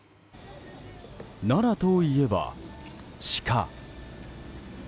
奈良といえば、シカ。